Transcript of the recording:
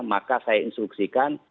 maka saya instruksikan